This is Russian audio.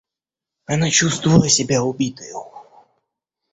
Она чувствовала себя убитою.